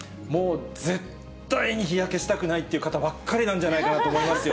もう絶対に日焼けしたくないという方ばっかりじゃないかと思いますよ。